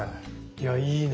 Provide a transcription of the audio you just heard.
いやぁいいね！